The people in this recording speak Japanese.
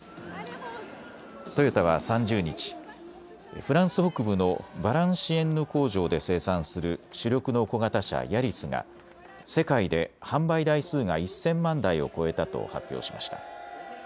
トヨタは３０日、フランス北部のバランシエンヌ工場で生産する主力の小型車ヤリスが世界で販売台数が１０００万台を超えたと発表しました。